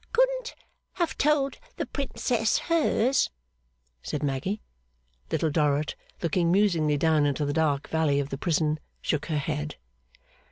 'Couldn't have told the Princess hers?' said Maggy. Little Dorrit, looking musingly down into the dark valley of the prison, shook her head.